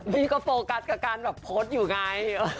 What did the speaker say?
พี่ก็โฟกัสกับการแบบโพสต์อยู่ไง